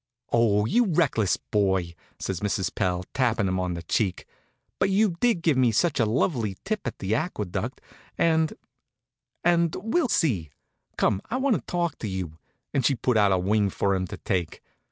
"Oh, you reckless boy," says Mrs. Pell, tapping him on the cheek. "But you did give me such a lovely tip at the Aqueduct, and and we'll see. Come, I want to talk to you," and she put out a wing for him to take.